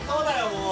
もう。